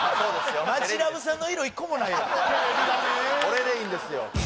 これでいいんですよ